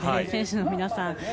選手の皆さん